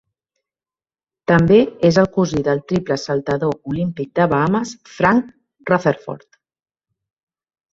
També és el cosí del triple saltador olímpic de Bahames Frank Rutherford.